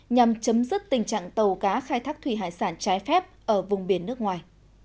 nhằm chấm dứt tình trạng tàu cá khai thác thủy hải sản trái phép ở vùng biển nước ngoài